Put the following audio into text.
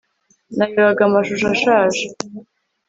narebaga amashusho ashaje